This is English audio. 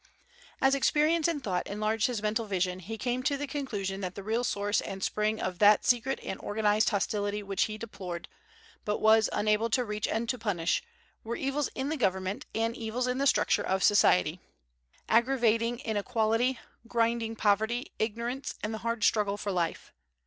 As experience and thought enlarged his mental vision, he came to the conclusion that the real source and spring of that secret and organized hostility which he deplored, but was unable to reach and to punish, were evils in government and evils in the structure of society, aggravating inequality, grinding poverty, ignorance, and the hard struggle for life.